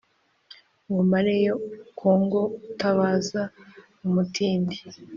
Ngo mareyo ubukunguUtazaba umutindi